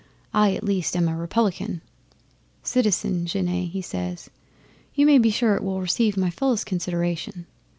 "I, at least, am a Republican!" "Citizen Genet," he says, "you may be sure it will receive my fullest consideration."